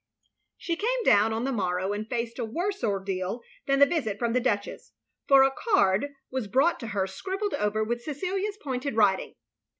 She came down on the morrow and faced a worse ordeal than the visit from the Duchess; for a card was brought to her scribbled over with Cecilia's pointed writing.